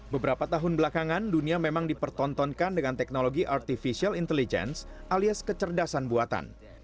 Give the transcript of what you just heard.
beberapa tahun belakangan dunia memang dipertontonkan dengan teknologi artificial intelligence alias kecerdasan buatan